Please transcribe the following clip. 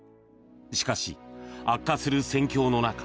しかし、悪化する戦況の中